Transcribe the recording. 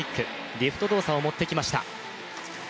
リフト動作を持ってきました。